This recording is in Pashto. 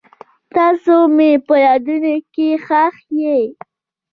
تاسو مې په یادونو کې ښخ یئ.